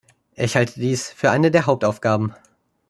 Ich halte dies für eine der Hauptaufgaben.